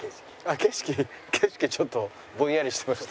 景色はちょっとぼんやりしてました。